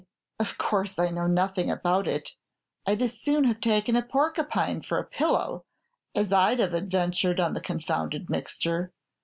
of course I know nothing about it. I'd as soon have taken a porcupine for a pillow as I 'd have adventured on the confounded mixture.